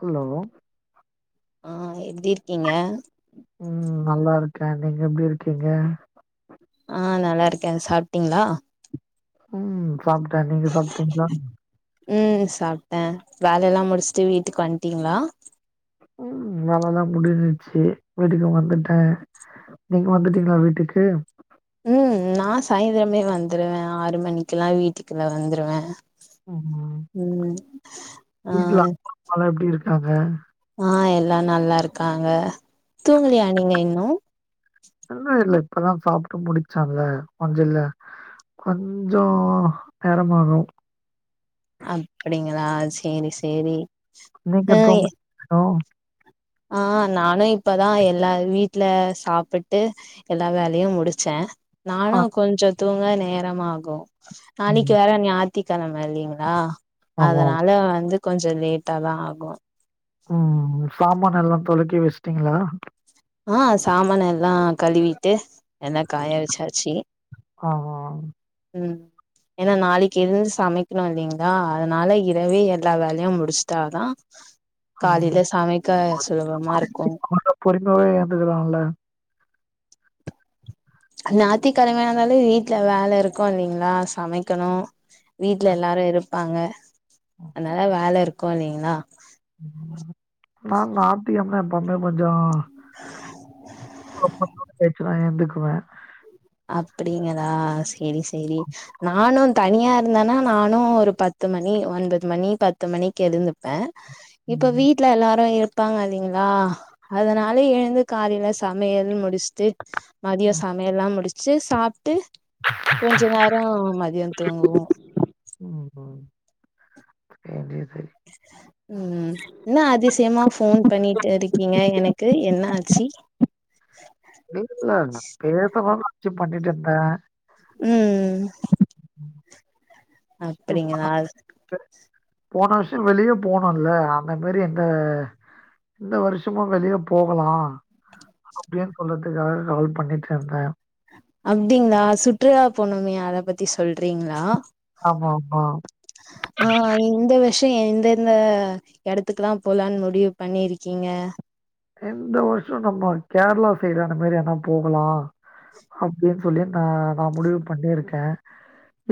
Hello ஆ எப்படி இருக்கீங்க ம் நல்லா இருக்கேன் நீங்க எப்டி இருக்கீங்க ஆ நல்லா இருக்கே சாப்ட்டீங்களா ம் சாப்ட்டேன் நீங்க சாப்ட்டீங்களா ம் சாப்ட்டேன் வேலையெல்லாம் முடிச்சுட்டு வீட்டுக்கு வந்துட்டீங்களா உம் வேலை எல்லாம் முடிஞ்சுச்சு வீட்டுக்கு வந்துட்டேன் நீங்க வந்துட்டீங்களா வீட்டுக்கு சாயந்திரமே வந்துருவேன் ஆறு மணிக்கெல்லாம் வீட்டுக்கு நான் வந்துருவே ம் ம் ஆ வீட்ல [unintelligible] எப்டி இருக்கு [unintelligible] ஆ எல்லாம் நல்லா இருக்காங்க தூங்கலியா நீங்க இன்னும் இன்னும் இல்ல இப்ப தான் சாப்ட்டு முடிச்சாங்க கொஞ்சம் இல்ல கொஞ்சம் நேரமாகும் அப்படிங்களா சேரி சேரி ஆ எ நீக்குத்தூங்கலியா ஆ நானும் இப் இப்பதான் எல்லா வீட்லே சாப்பிட்டு எல்லா வேலையும் முடிச்சேன் நானா ஆ கொஞ்சம் தூங்க நேரமாகும் நாளைக்கு ம் வேல நா [unintelligible] கிழமை இல்லைங்களா ஆமா அதனால வந்து கொஞ்சம் லேட்டா தான் ஆகும் ம் [unintelligible] எல்லாம் தொலைக்கி வச்சிட்டீங்களா ஆ சாமான் எல்லாம் கழுவிட்டு என்ன காய வச்சாச்சு ஆ ம் ஏன்னா நாளைக்கு இருந்து சமைக்கணும் இல்லைங்களா அதனால இரவே எல்லா வேலையும் முடிச்சுட்டாதான் ம் காலையில சமைக்க சுலபமா இருக்கும் பொறுமாவே எந்துக்கலாம்ல நாய்து கிழமையானாலே வீட்டுல வேலை இருக்கும் இல்லைங்களா சமைக்கணும் வீட்ல எல்லாரும் இரு வாங்க அதனால வேல இருக்கு [unintelligible] நான் நாய்தி கிழமைனா எப்போமே கொஞ்சோ [unintelligible] நான் எந்துக்குவேன் அப்படிங்கலா சரி சரி நானும் தனியா இருந்தேன்னா நானும் ஒரு பத்து மணி ஒன்பது மணி பத்து மணிக்கு எழுந்துப்பேன் இப்ப ம், வீட்டுல எல்லாரும் இரு வப்பாங்க இல்லலைங்களா அதனால எழுந்து காலைல சமையல் முடிச்சு மதிய ம், சாமையல்லாம் முடிச் சர் சாப்பிட்டு கொஞ்ச நேரம் மதியம் தூங்குவோம் உஹம் [unintelligible] உம் என்ன அதிசயமா போன் பண்ணிட்டு இருக்கீங்க எனக்கு என்ன ஆச்சி இல்லல பேச [unintelligible] பண்ணிட்டு இருந்தேன் உம் அப்படிங்கலா போன வருஷம் வெளியே போனும்ல அந்த மாரி இந்த இந்த வருஷமும் வெளிய போகலாம் அப்படின்னு சொல்றதுக்காக கால் பண்ணிட்டு இருந்தேன் அப்டிங்களா சுற்றுலா போனுமே அத பத்தி சொல்றீங்களா ஆமா, ஆமா. ஆஹ் இந்த விஷயம் எந்தந்த இடத்துக்குல்லாம் போலான்னு முடிவு பண்ணிருக்கீங்க இந்த வருஷம் நம்ம கேரளா சைடு அந்த மாதிரி எனா போகலாம் அப்டி [unintelligible] சொல்லி நான் நான் முடிவு பண்ணிருக்கன்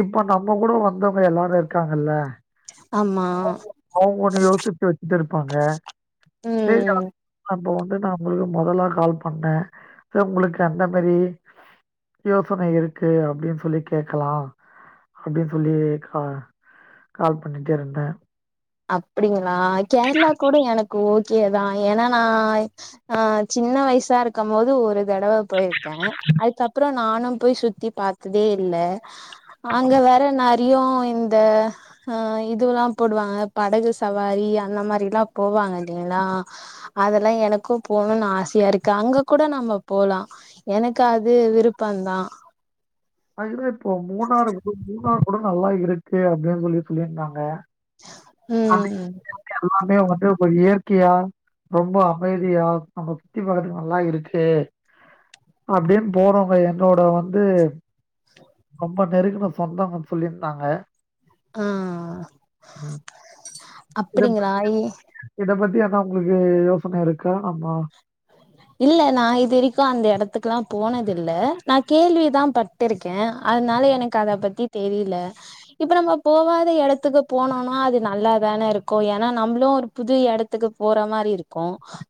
இப்ப நம்ம கூட வந்தவங்க எல்லாரும் இருக்காங்கல்ல ஆமா அவங்க ஒன்னு யோசிச்சு வச்சு போங்க ம் [unintelligible] இப்ப வந்து நான் ஒங்களுக்கு மொதல்ல கால் பண்ணேன் உங்களுக்கு அந்த மாரி யோசனை இருக்கு அப்டின்னு சொல்லி கேக்கலாம் அப்டின்னு சொல்லி கா கால் பண்ணிட்டே இருந்தேன் அப்படிங்க நா கேரளா கூட எனக் ஓகேதான் ஏன்னா நான் ஆஹ் சின்ன வயசா இருக்கும் போது ஒரு தடவ போயிருக்கேன் அதுக்கப்புறம் நானும் போய் சுத்தி பாத்ததே இல்ல அங்க வேற நரியு இந்த ஆஹ் இதுல்லாம் போடுவாங்க படகு சவாரி அந்த மாரில்லாம் போவாங்க இல்லைங்களா அதெல்லாம் எனக்கும் போனோன்னு ஆசையா இருக்கு அங்க கூட நாம போலாம் எனக்கு அது விருப்பந்தான் அதுதா இப்போ மூணாறு போய் மூணாறு குடும்ப நல்லா இருக்கு அப்டின்னு சொல்லி சொல்லியிருந்தாங்க அப்டி ம் [unintelligible] இயற்கையா ரொம்ப அமைதியா நம்ம சுத்தி பாக்கறதுக்கு நல்லா இருக்கு அப்டின்னு போறவங்க என்னோட வந்து ரொம்ப நெருங்கின சொந்தங்கன்னு சொல்லியிருந்தாங்க ஆஹ் ம். அப்படிங்களா இல் இப்பயும் அதான் உங்களுக்கு யோசனை இருக்கா ஆம்மா இல்ல நா இது வரைக்கு அந்த எடத்துக்குல்லா போனதில்ல நா கேள்விதா பட்டிருக்கே அதனால எனக்கு அத பத்தி தெரில இப்ப நம்ம போவாத எடத்துக்கு போனோன்னா அது நல்லா தான இருக்கு ஏன்னா நம்மளும் ஒரு புது எடத்துக்கு போற மாரி இருக்கு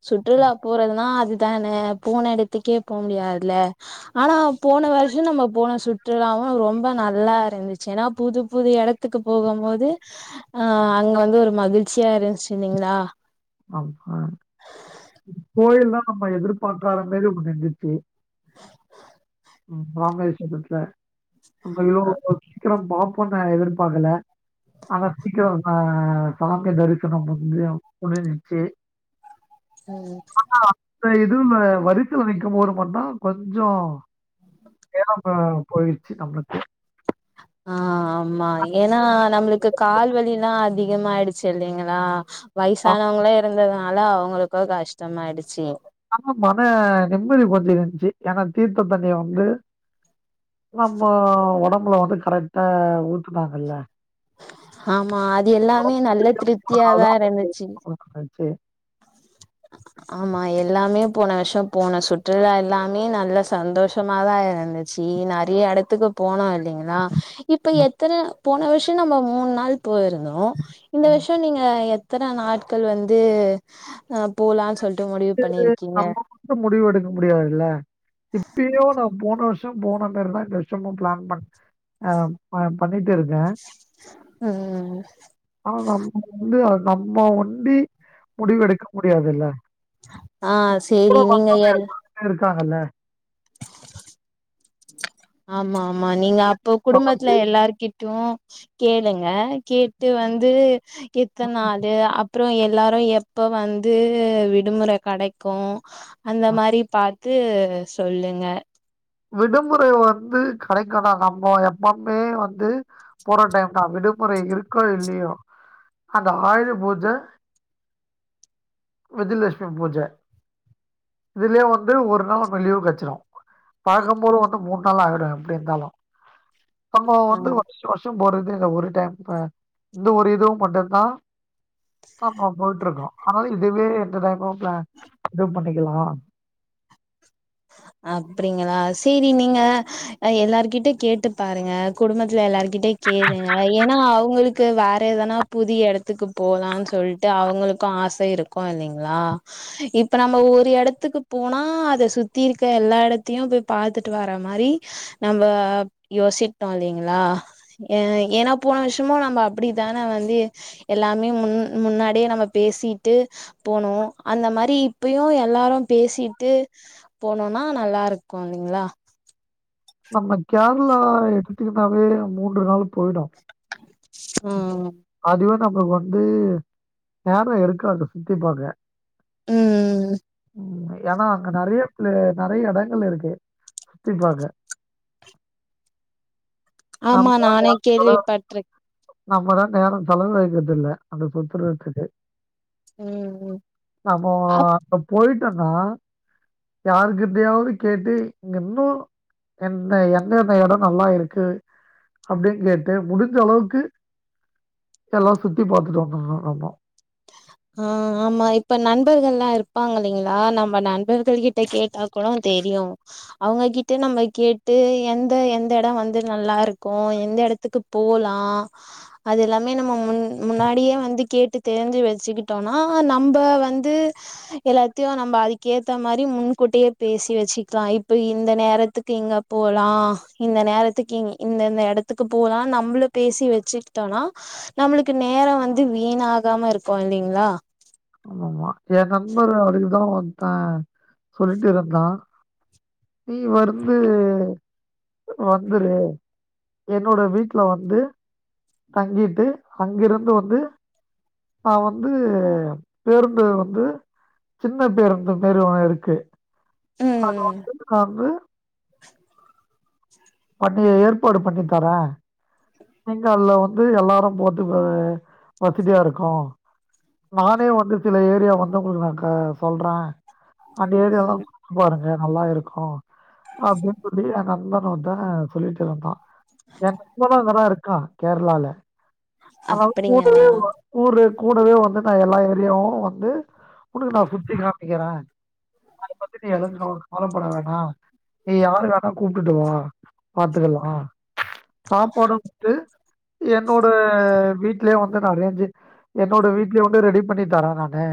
சுற்றுலா போறதுனா அது தான போன எடத்துக்கே போ முடியாதுல ஆனா போன வருஷம் நம்ம போன சுற்றுலாவும் ரொம்ப நல்லா இருந்துச்சு ஏன்னா புது புது எடத்துக்கு போகும் போது ஆஹ் அங்க வந்து ஒரு மகிழ்ச்சியா இருந்துச்சு இல்லீங்களா ஆம்மா கோயில்லா நம்ம எதிர்பாகாத மேறி ஒன்னு இருந்துச்சு உம் ராமேஸ்வரத்துல நமோ சீக்கிரம் பாப்போன்னு நா எதிர்பாக்கல ஆனா சீக்கிரம் நா சாமி தரிசனம் முடிஞ்சும் முடிஞ்சிடுச்சு உம் குயூல வரிசைல நிக்கும் போது மட்டு கொஞ்சம் ஏல்லாம் ப போயிருச்சு நம்ளுக்கு ஆஹ் ஆமா ஏன்னா நம்ளுக்கு கால் வலில்லா அதிகமாயிடுச்சு இல்லீங்களா வயசானவங்களே இருந்ததா அலோ அவங்களுக்கு கஷ்டமயிடுச்சு ஆனா மன நிம்மதி கொஞ்சம் இருந்துச்சு ஏன்னா தீர்த்த தண்ணிய வந்து நம்ம ஒடம் அவளோ வந்து கரெக்டா ஊத்துனாங்கல்ல ஆமா அது நம்ம எல்லாமே நல்ல முடிஞ்சா போனனால திருப்தியாதா தான் அது இருந்துச்சுங் இருந்துச்சு. ஆமா எல்லாமே போன வருஷம் போன சுற்றுலா எல்லாமே நல்ல சந்தோஷமா தா இருந்துச்சு நெறைய எடத்துக்கு போனோம் ஏன்னா இப்ப எத்தன போன வர்ஷ்ச நம்ம மூணு நாள் போயிருந்தோ இந்த வர்ஷோ நீங்க எத் இத்தன நாட்கள் வந்து ஆ போலான் சொல்ட் [unintelligible] நம்ப மட்டு முடிவு எடுக்க முடியாதுல இப்பியு நா போன வர்ஷோ ஷோ போனமேரிதா இந்த வர்ஷமு பிளான் ஹ ஹ பண்ணிட்டு இருக்கே ம் ஆஹ் [unintelligible] வந்து நம்ப ஒண்டி முடிவு எடுக்க முடியாதுல ஆ சேரி நீங்க எல்லாரு க்காங்கல ஆமா ஆமா நீங்க அப்போ இப்ப குடும்பத்ல வந்து எல்லார்கிட் க்கு கேளுங்க கேட்டு வந்து எத்தன்நாளு அப் அப்றோ எல்லாரு எப்ப வந்து விடுமுற கொடைக்கு அந்த மாரி பாத் து சொல்லுங்க விடுமுறை வந்து கெடைக்கலா நம்ப எப்பவுமே வந்து போற டைம்தா விடுமுறை இருக்கோ இல்லியோ அந்த ஆயுத பூஜ விஜலஷ்மி பூஜ இதுலயே வந்து ஒரு நாள் லீவு கெடச்சிடு பாக்கும்போது வந்து மூணு நாள் ஆயிடு எப்டி இருந்தாலு நம்ப ஆ வந்து வருசா வருசம் போறது இந்த ஒரு டைம் இப்ப இந்த ஒரு இதுவு மட்டுந்தா நம்ம போயிட்டு இருக்கோ அதனால இதுவே எந்த டைமு பிளான் இது பண்ணிக்லா அப்டிங்ளா சேரி நீங்க எல்லார்கிட்ட கேட்டு பாருங்க குடும்பத்துல எல்லார்கிட்ட கேளுங்க ஏனா அவங்ளுக்கு வேற எதனா புது எடத்துக்கு போலானு சொல்ட்டு அவங்களுக்கு ஆச இருக்கு இல்லங்களா இப்ப நம்ம ஒரு எடத்துக்கு போனா அத சுத் தி இருக்க எல்லா எடத்தயு போய் பாத்துட்டு வரா மாரி நம்ம யோசிக்னு இல்லங்களா அ ஏனா போன வருசமு நம்ம அப்டித்தான வந்து எல்லாமே முன் முன்னாடியே நம்ம பேசிட்டு போனோ அந்த மாரி இப்பயு எல்லாரு பேசிட்டு போனோனா நல்லா இருக்கு இல்லிங்ளா நம்ம கேரளா எடுத்துக்குனாவே மூன்று நாள் போயிடு ம் அப்றோ வந்து நேர இருக்காது சுத்தி பாக்க ம் ம் ம் ஏனா அங்க நெறைய ப்ளே நெறைறய எடங்கள் இருக்கு சுத்தி பாக்க ஆமா நானே கேள்விப்பட்ருக் நம்பதா நேர செலவழிக்கிறதுல்ல அந்த சுத்துறத்துக்கு ம் அபோ ஆ அப்ப போயிட் டன்னோ யாருக்கிட்டயாவுது கேட்டு இங்க இன்னு என்ன என்னென்ன எடொ நல்லா இருக்கு அப்டின் கேட்டு முடிஞ்ச அளவுக்கு எல்லா சுத்தி பாத்துட்டு வந்துர்னு ஆமா அ ஆமா இப்ப நண்பர்கள்லா இர்ப்பாங்க இல்லங்ளா நம்ம நண்பர்கள் கிட்ட கேட்டா கூட தெரியு அவுங்க கிட்ட நம்ம கேட்டு எந்த எந்த எடொ வந்து நல்லாருக்கு எந்த எடத்துக்கு போலா அது எல்லாமே நம்ம முன் முன்னாடியே வந்து கேட்டு தெயுஞ்சு வெச் சிகிட்டோனா நம்ப வந்து எல்லாத்யு நம்ப அதுக்கேத்த மாரி முன்கூட்டயே பேசி வச்சிக்லா இப்ப இந்த நேரத்துக்கு இங்க போலா இந்த நேரத்துக்கு இங் இந்தந்த எடத்துக்கு போலா நம்ளு பேசி வெச்சிக்ட்டோனா நம்ளுக்கு நேரொ வந்து வீண் ஆகாமருக் கொழ்ந்தீங்ளா ஆமம்மா ஏ நண்பர் அதுக்குதா வந் கா சொல்ட்டு இருந்தா நீ வருந்து வந்துரு என்னோட வீட்ல வந்து தங்கிட்டு அங்கிருந்து வந்து நா வந்து பேருந்து வந்து சின்ன பேருந்து மேரி ஒன்னு இருக்கு ம் ஹவ்வு பண்ணியே ஏற்பாடு பண்ணி தர நீங்க அல்ல வந்து எல்லாரு போட்டு வ வசதுயா இருக்கு நானே வந்து சில ஏரியா வந்து ஒங்ளுக்கு நா க சொல்றா அந்த ஏரியால்லா ம் பாருங்க நல்லா இருக்கு அப்டின் சொல்லி ஏ நண்பன் ஒர்த்த சொல்லிட் இருந்தா [unintelligible] ருக்கா கேர்ளால அதாவ் கூடே அப்படிங்களா ஒ கூறு கூடவே வந்து நா எல்லா ஏரியாவு வந்து உனக்கு நா சுத்தி காமிக்கிறே அத பத்தி நீ எது கவல கவல பட வேணா நீ யார வேணா கூப் ட்டுட்டு வா பாத்துக்கலா போட்டுட்டு என்னோட வீட்லயே வந் [unintelligible] என்னோட வீட்லயே வந்து ரெடி இது பண்ணி தர நானு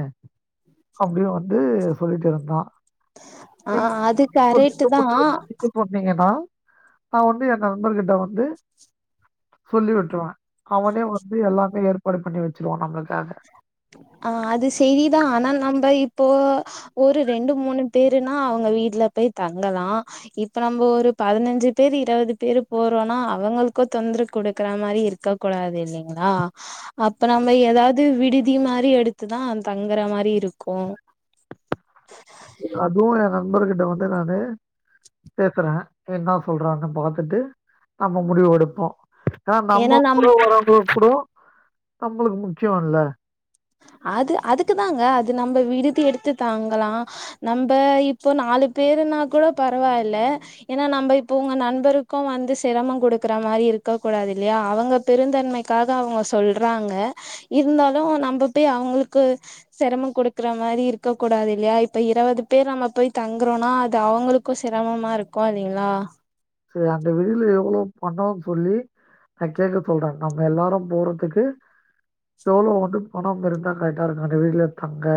அப்படியு வந்து சொல்லிட்டு இருந்தா ஆஹ் அது கரேட்டு தா சொன்னீங்கன்னா நா வந்து எ நண்பர்கிட்ட வந்து சொல்லி விட்ருவ அவனே வந்து எல்லாமே ஏற் பாடு பண்ணி வச்சிருவா நம்மளுக்காக ஆ அது செரிதா ஆனா நம்ப இப்போ ஒரு ரெண்டு மூணு பேருனா அவங்க வீட்டுல போய் தங்கலா இப்ப நம்போ ஒரு பதினஞ்சு பேரு இருவது பேரு போறோன்னா அவங்களுக்கு தொந்தரவ் குடுக்குற மாரி இருக்க கூடாது இல்லைங்களா அப்ப நம்ம எதாவ்து விடு தி மாரி எடுத்துதா தங்குற மாரி இருக்கு அதுவும் ஏற ண்பர்கிட்ட வந்து நானு பேசுற என்னா சொல்றாங்கனு பாத்துட்டு நம்ம முடிவொடுப்போ ஏனா நம்ம கூட வரவங்களு கூடோ நம்மளுக்கு முக்கியோல்ல அது அதுக்குதாங்க அது நம்ப விடுதி எடுத்து தாங்கலா நம்ப இப்போ நாலு பேருனா கூட பரவால்ல ஏனா நம்ப இப்ப உங்க நண்பருக்கும் வந்து சிரமம் குடுக்கற மாரி இருக்க கூடாது இல்லையா அவங்க பெருந்தன்மைக்காக அவங்க சொல்றாங்க இருந்தாலு நம்ப பேய் அவங்களுக்கு செரமம் குடுக்கற மாரி இருக்க கூடாது இல்லையா இப்ப இருவது பேர் நம்ம போய் தங்குறோனா அது அவங்களுக்கு சிரமமா இருக்கு இல்லைங்ளா செரி அந்த விடுதில எவ்வளோ பண்ணோன் சொல்லி நா கேட்க சொல்ற நம்ம எல்லாரும் போறதுக்கு எவ்ளோ வந்து பணம் இருந்தா கரெக்ட்டா இருக்கு அந்த விடுதில தங்க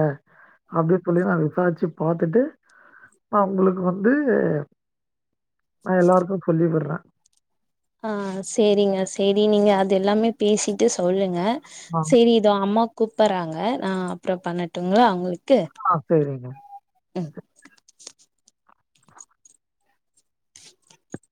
அப்டின் சொல்லி நா விசாரிச்சு பாத்துட்டு அ உங்களுக்கு வந்து ஆ எல்லாருக்கும் சொல்லி விடுறேன் ஆ சேரிங்க சேரி நீங்க அது எல்லாமே பேசிட்டு சொல்லுங்க ஆ சேரி இது அம்மாக் கூப்பறாங்க நா அப்றோ பண்ணட்டுங்ளா உங்களுக் ஆ சேரிங்க உம்